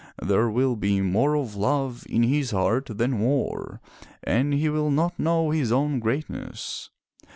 There will be more of love in his heart than war, and he will not know his own greatness."